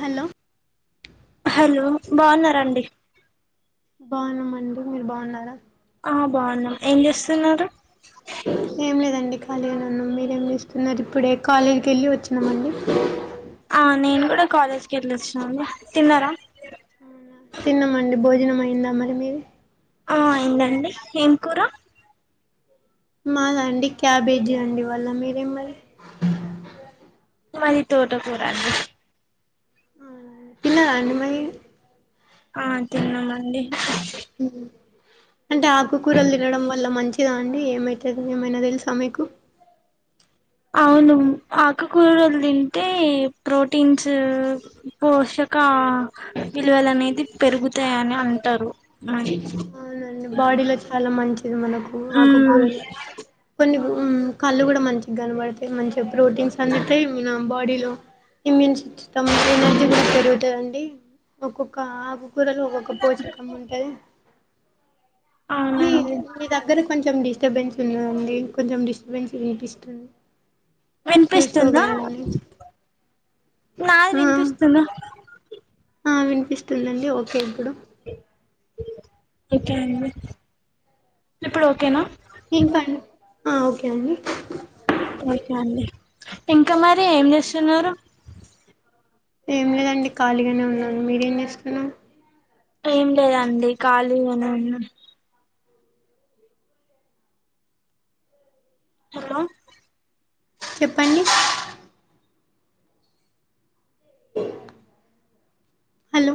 Hello hello బావున్నారండి బావున్నామండి. మీరు బావున్నారా ఆ బావున్నాం, ఏ చేస్తున్నారు. ఏం లేదండి ఖాళీగానే ఉన్న మీరేం చేస్తున్నారు. ఇప్పుడే కాలేజ్ కేళ్ళి వచ్చినామండి. ఆ నేను కూడా కాలేజ్కి ఏలోచినాను తిన్నారా తిన్నామండి. భోజనం అయిందా మరి మీది ఆ అయిందండి. ఏం కూర మదండి. క్యాబేజీ అండి ఇవాళ మీరే మరి మది తోట కూరండి హుమ్ తిన్నారండి మహి ఆ తిన్నామండి అంటే ఆకుకూరలు తినడం వల్ల మంచిదా అండి. ఏమైతది ఏమైనా తెలుసా మీకు అవును ఆకుకూరలు తింటే ప్రోటీన్స్ పోషక్ కా విలువలు అనేది పెరుగుతాయని అంటారు. మరి అవునండి బాడీలో చాలా మంచిది మనకు మ్మ్ ఆకుకూరలు కొన్ని కళ్ళు కూడా మంచి కనపడతాయి మంచిగా ప్రోటీన్స్ అందుతాయి మన బాడీలో ఇమ్యూన్ సిస్టమ్నేది జరుగుతుందిండి ఒక్కొక్క ఆ కూరలో ఒక్కొక్క పోషకం ఉంటుంది మీ అవునండి మీ దగ్గర కొంచెం డి స్టబెన్స్ ఉన్నాండి కొంచెం డిస్టబెన్స్ వినిపిస్తుంది వినిపిస్తుందా చూసుకోగలరండి నాది ఆ వినిపిస్తుంద ఆ వినిపిస్తుందండి ఓకే ఇప్పుడు ఓకే అండి ఇప్పుడు ఓకేన ఇంకా ఒకే అండి ఓకే అండి ఇంకా మరి ఏం చేస్తున్నారు ఏం లేదండి ఖాళీగానే ఉన్నాను మీరేం చేస్తున్నా ఏం లేదండి ఖాళీ అని ఉన్నా హలో చెప్పండి హలో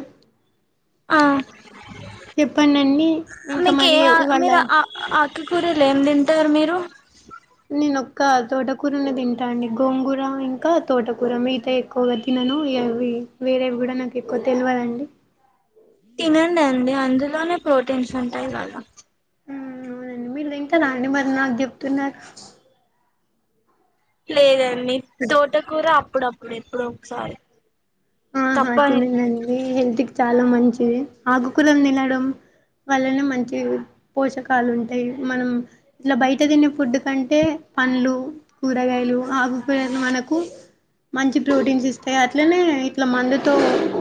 చెప్పండి అండి ఇంకా మరి ఇవాళ [unintelligible] కూరలు ఏం తింటారు మీరు నేనొక్క తోటకూరనే తింటా అండి గోంగూర ఇంకా తోటకూర మితా ఎక్కువగా తినను అవి వేరేవి కూడానాకు ఎక్కువ తెలివదండి తినం అండి అందులోనే ప్రోటీన్స్ ఉంటాయి కదా అవునండి మీరు తింటార అండి మరి నాకు చెప్తున్నారు లేదండి తోట కూర అప్పుడప్పుడు ఎప్పుడో ఒక సారి ఆహా తినదండి హెల్త్ కి చాల మంచిది ఆకుకురలు తినడం వల్లనే మంచి పోషకాలు ఉంటాయి మనం ఇట్ల బయట తినే ఫుడ్ కంటే పండ్లు కూరగాయలు ఆకూకురలు మనకు మంచి ప్రోటీన్స్ ఇస్తాయి అట్లనే ఇట్లా మందుతో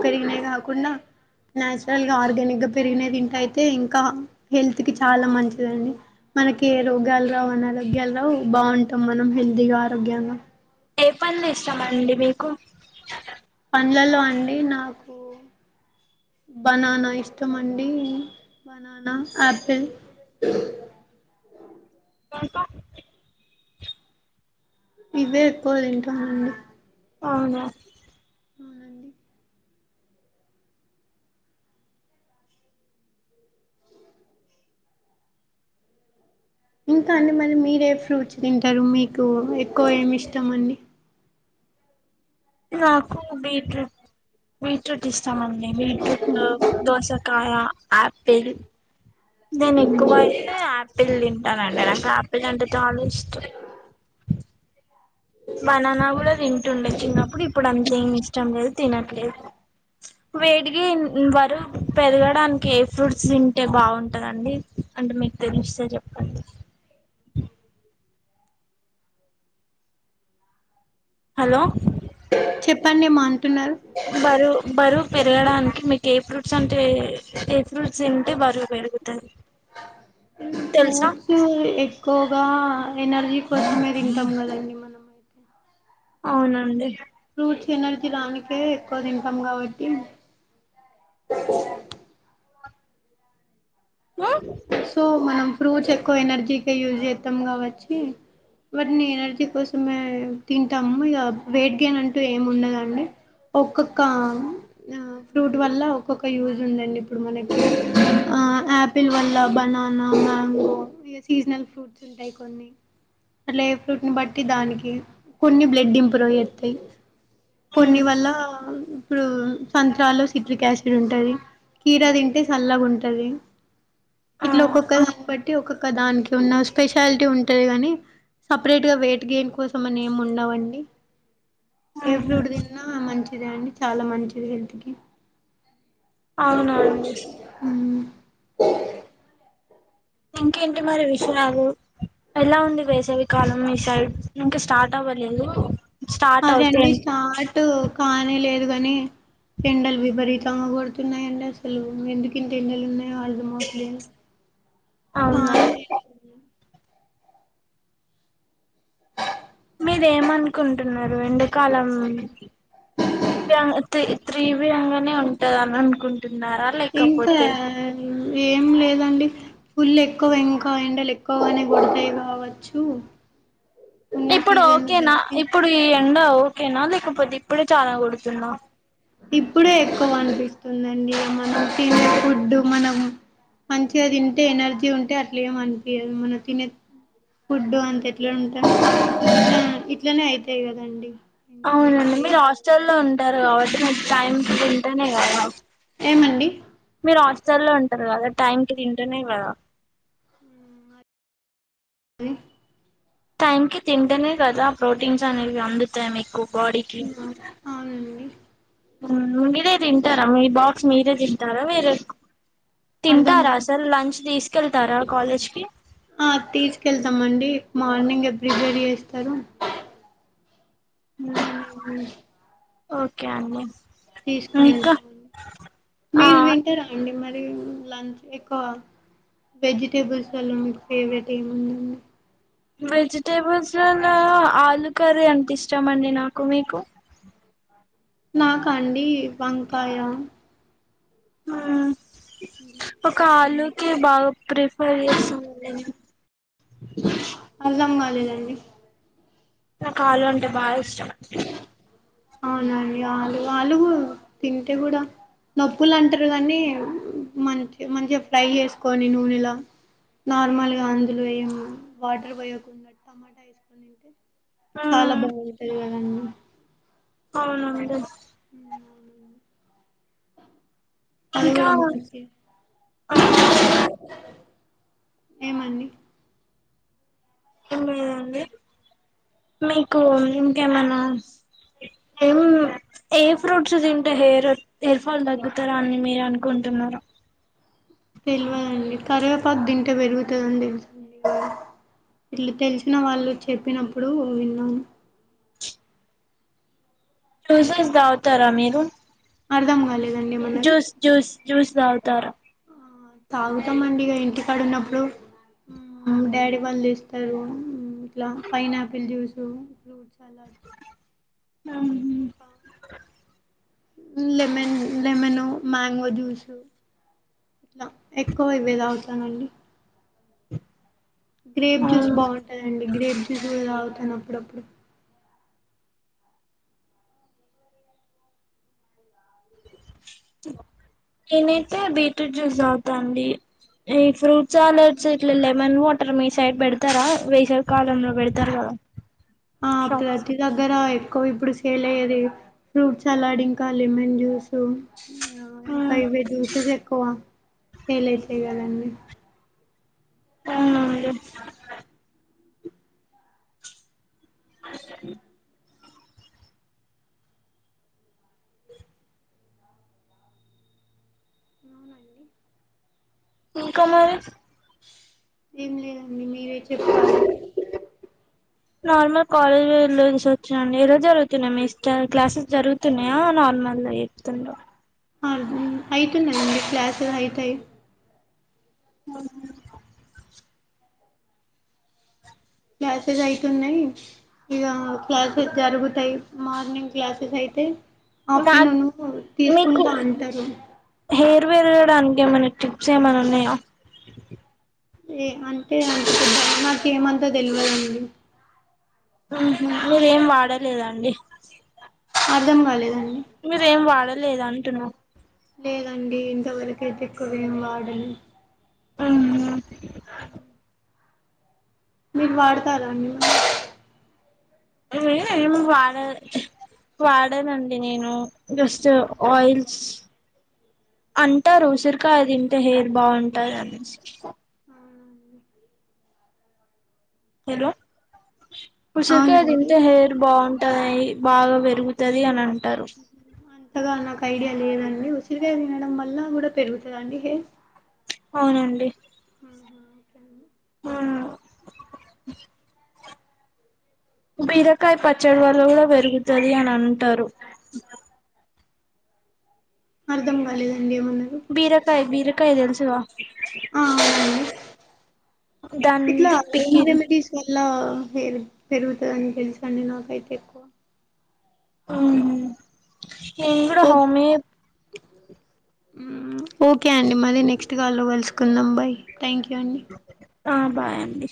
పెరిగినాయి కాకుండా నాచురల్ గా ఆర్గానిక్గ పెరిగిన తింట అయితే ఇంకా హెల్త్ కి చాలా మంచిదండి మనకి ఏ రోగాలు రావు అనరోగ్యాలు రావు బాగుంటాం మనం హెల్తీగా ఆరోగ్యంలో ఏ [unintelligible] ఇష్టమండి మీకు లలో అండి నాకు బనాన ఇష్టం అండి బననా ఆపిల్ కొప ఇవే ఎక్కువ తింటనండి అవున ఇంకా అండి మరి మీరే ఫ్రూట్స్ తింటారు మీకు ఎక్కువ ఏమి ఇష్టం అండి నాకు బీట్రూట్ బీట్రూట్ ఇష్టమండి బీట్రూట్ దోసాకాయ ఆపిల్ నేను ఎక్కువ అయితే ఆపిల్ తింటానుండి నాకు ఆపిల్ అంటే చాలా ఇష్టం [inaudible] బనానా కూడ తింటుండే చిన్నప్పుడు ఇప్పుడు అంత ఏం ఇష్టం లేదు తినట్లేదు వెయిట్ గైన్ బరువు పెదగడానికి ఏ ఫ్రూట్స్ తింటే బాగుంటదండి అంటే మీకు తెలిస్తే చెప్పండి హలో చెప్పండి ఏమో అంటున్నారు బరు బరు పెరగడానికి మీకు ఏ ఫ్రూట్స్ అంటే ఏ ఫ్రూట్స్ తింటే బరువు పెరుగుతది తెలుసా ఫూట్స్ ఎక్కువగా ఎనర్జీ కోసమే తింటామ్ మనమైతే అవునండి ఫ్రూట్స్ ఎనర్జీ లానికే ఎక్కువ తింటాం కాబట్టి [inaudible] నో సో మనం ఫ్రూట్స్ ఎక్కువ ఎనర్జీకి యూజ్ చేత్తం కావచ్చి వాటిని ఎనర్జీ కోసమే తింటాం ఇగ వెయిట్ గెన్ అంటూ ఏమి ఉండదండి. ఒక్కొక్క ఆ ఫ్రూట్ వల్ల ఒక్కొక్క యూజ్ ఉందండి ఇప్పుడు మనకి ఆ ఆపిల్ వల్ల ఇలా బనానా, మ్యాంగో ఇగ సీజనల్ ఫ్రూట్స్ ఉంటయి కొన్ని అట్లా ఏ ఫ్రూట్ని బట్టి దానికి కొన్ని బ్లెడ్ ఇంప్రూవ్ చెత్తయి కొన్ని వల్ల ఇప్పుడు సంత్రాల్లో సిట్రిక్ యాసిడ్ ఉంటది. కీరా తింటే చల్లగా ఉంటది ఆ ఇట్లా ఆ ఒక్కొక్క దాన్ అంటే ఒక్కొక్క దాంట్లో ఉన్న స్పెషాలిటీ ఉంటది. గని సపరేట్ గా వెయిట్ గెన్ కోసం అని ఏమి ఉండవండి. ఏ ఫ్రూట్ తిన్నా మంచిదే అండి చాలా మంచిది హెల్త్ కి అవునండి ఇంకేంటి మరి విషయాలు ఎలా ఉంది వేసవికాలం మి సైడ్ ఇంకా స్టార్ట్ అవ అవ్వలేదు స్టార్ట్ అవుతే అదేండి స్టార్ట్ కానే లేదు గని ఎండలు విపరీతంగా కొడుతున్నాయండి అసలు ఎందుకింత ఎండలు ఉన్నాయె అర్ధం అవ్వట్లేదు. అవునా మీరేం ఏమనుకుంటున్నారు ఎండాకాలం ఇవేన్తియి త్రీవ్యంగానే ఉంటది అని అనుకు ఇంకా ఏం లేదండి. ఫుల్ ఎక్కువ ఇంకా ఎండలు ఎక్కువగానే కొడతయి కావచ్చు. ఉన్న ఇప్పుడు సీజన్ని ఓకేనా బట్టి ఇప్పుడు ఈ ఎండ ఓకేనా లేకపోతే ఇప్పుడే చాలా కొడుతున్నా ఇప్పుడే ఎక్కువ అనిపిస్తుందండి మనం తినే ఫుడ్ మనం మంచిగా తింటే ఎనర్జీ ఉంటే అట్లెం అనిపియదు మనం తినే ఫుడ్డు అంత ఎట్లా ఉంటది ఇట్లనే అయితయి కదండి ఇంకా అవునండి మీరు లేజీ హాస్టల్లో ఉంటారు కాబట్టి మీర్ టైంకి తింటేనే కదా ఏమండి మీరు హాస్టల్లో ఉంటారు కదా టైంకి తింటేనే కదా స టైం కి తింటనే కదా ప్రోటీన్స్ అనేవి అందుతాయి మీకు బాడీకి అవునండి [unintelligible] తింటారా మీ బాక్స్ మీరే తింటారా వేరే అర్ధం తింటారా కాదు అసల్ లంచ్ తీసుకెళ్తారా కాలేజ్ కి ఆ తీసుకెళ్తామండి మార్నింగే ప్రిపేర్ చేస్తరు. ఏమైంది ఓకే అండి తీసుకొని ఇంకా ఎళ్తామండి ఆ మీరు తింటారా అండి మరి నేన్ లంచ్ ఎక్కువ వెజిటేబుల్స్ లల్లో మీకు ఫేవరెట్ ఏముండింది. వెజిటేబుల్స్ లల్లో ఆలు కర్రీ అంటే ఇష్టామండి నాకు మీకు నాకా అండి వంకాయ హ్మూమ్ ఇలా ఒక ఎక్కువండి ఆలుకి బాగా ప్రిఫర్ చేస్తన్నండి. వెళ్ళండి నాకు ఆలు అంటే బాగా ఇష్టం. అవునండి ఆలు ఆలుగుర్ తింటే కూడా నొప్పులు అంటార్ కానీ మంచి మంచిగా ఫ్రై చేసుకోని నూనెల నార్మల్గా అందులో వ వాటర్ పోయకుండాట్టు టమాటా వేసుకనింటే చాలా మ్మ్ బాగుంటాంది కదండి అవునుంట అ అది ఇంకా కూడా ఆ [inaudible] ఏమండి దండి మీకు ఇంకేమనా ఏం హెయిర్ ఫ్రూట్స్ తింటే హెయిర్ హయిర్ ఫాల్ తగ్గుతారా అని మీరు అనుకుంటు టున్నారు తెలియదండి కరివేపాకు తింటే పెరుగుతుందని తెలుసండి ఇట్లు తెలిసిన వాళ్ళు చెప్పినప్పుడు విన్నాను జ్యూసెస్ తవుతారా మీరు అర్ధాం కాలే జూస్ జుస్ జూస్ తగుతారా తాగుతామండి ఇంటికాడ ఉన్నప్పుడు డాడీ వాళ్ళు తెస్తారు ఇంట్లో పైన్ ఆపిల్ జ్యూస్ ఫ్రూట్ అలాడ్ అవును అకాా లెమన్ లెమన్ మ్యాంగో జ్యూసు ఇట్లా ఎక్కువ ఇవే తాగుతానండి గ్రేబ్ జ్యూస్ బాగుంటాందండి గ్రేబ్ జ్యూస్ కూడా తగుతాను అప్పుడప్పుడు నేనైతే బీట్రూట్ జ్యూస్ తాగుతా అండి ఈ ఫ్రూట్ చాలస్ ఇట్ల లెమన్ వాటర్ మీ సైడ్ పెడతారా వేసేవి కాలంలో పెడతారు కదా ఆ షాప్స్ ప్రతి దగ్గరయ ఇకో ఇప్పుడు సేల్ అయ్యేది ఫ్రూట్ అలాడ్ ఇంకా లెమన్ జ్యూస్ ఆ ఇంకా ఇవే జ్యూసెస్ ఎక్కువ సేల్సాయి కదండి అవునండి ఇంకా మరి ఏం లేదండి మీరే చెప్పాలి నార్మల్ కాలేజ్ లో చూసి వచ్చండి ఎలా జరుగుతున్నా మీ ఇట క్లాసెస్ జరుగుతున్నాయా నార్మల్ ఎకుతుండ [unintelligible] అ అవుతున్నండి క్లాస్ అవుతయి అ క్లాసెస్ అయితునయి ఇక క్లాసెస్ జరుగుతాయి మార్నింగ్ క్లాసెస్ అయితే నాకు ఆఫ్టర్నూను తీసుకుంటా అంటారు జుట్టు పెరగడానికి ఏమన్న టిప్స్ ఏమన్నా ఉన్నాయా ఏ అంటే అద్దా నాకు ఏమంతా తెలివదండి మీరేం వాడలేదండి అర్దం కాలేదండి మీరేం వాడలేదు అంటున్నా లేదండి ఇంతవరకైతే ఎక్కువం వాడని ఉమ్ మీరు వాడతారా అండి ఉమ్ ఏం వడ వాడేనండి నేను జస్ట్ ఆయిల్స్ అంటారు ఉసిరికాయ తింటే హెయిర్ బాగుంటారు అనేసి హలో ఉసిరికాయ అవునండి తింటే హెయిర్ బాగుంట [inaudible] బాగా పెరుగుతుది అన్నాను హుహ్ అంతగా నా ఐడియా లేదండి ఉసిరిగాయ తినడం వల్ల కూడా పెరుగుతుందండి హెయిర్ అవునండి హుహ్ ఓకే అండి అవునా బీరకాయ పచ్చడ వాళ్ళ కూడా పెరుగుతది అని అంటారు అర్థం కాలేదు బీరకాయ బీరకాయ తెలుసుగా ఆ అవునండి ఇట్లా దానిది హోమ్ పికిల్ రెమెడీస్ వల్ల హెయిర్ పెరుగుతుంది అని తెలుసాండి నాకైతే ఎక్కువ అవును నేను కూడా ఓకే హోమి ఏ ఓకే అండి మళీ నెక్స్ట్ కాల్లో కలుసుకుందాం బై థ్యాంక్ యూ అండి ఆ బై అండి